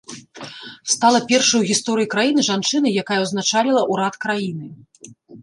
Стала першай у гісторыі краіны жанчынай, якая ўзначаліла ўрад краіны.